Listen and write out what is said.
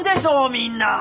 みんな。